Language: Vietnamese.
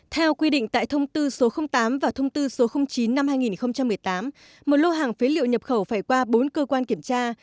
theo quy định tại thông tư số tám và thông tư số chín năm hai nghìn một mươi tám một lô hàng phế liệu nhập khẩu phải qua bốn cơ quan kiểm tra